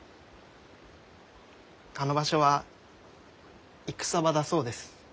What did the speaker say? あの場所は戦場だそうです。